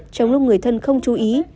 trong lúc người thân không chú ý